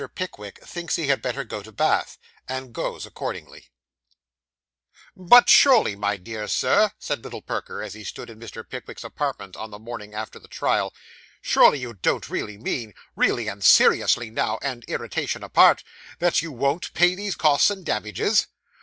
PICKWICK THINKS HE HAD BETTER GO TO BATH; AND GOES ACCORDINGLY But surely, my dear sir,' said little Perker, as he stood in Mr. Pickwick's apartment on the morning after the trial, 'surely you don't really mean really and seriously now, and irritation apart that you won't pay these costs and damages?